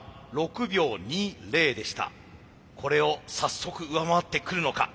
これを早速上回ってくるのか。